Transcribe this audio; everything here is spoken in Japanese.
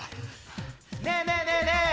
・ねえねえねえねえ！